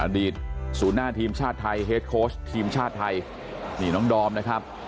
อดีตศูนย์หน้าทีมชาติไทยเฮดโค้ชทีมชาติไทยนี่น้องดอมนะครับ